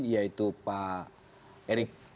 yaitu pak erik